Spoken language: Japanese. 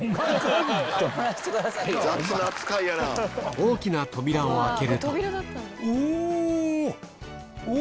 大きな扉を開けるとうお！